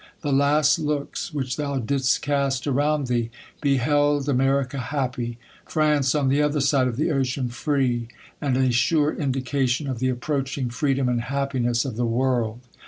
The last looks, which thou didst cast around thee, beheld Ame rica happy ♦, France, on the other side of the ocean, free, and a sure indication of the approaching freedom and happiness of the world.